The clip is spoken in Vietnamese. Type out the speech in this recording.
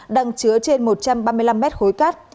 đang chứa trên một trăm ba mươi năm mét khối cát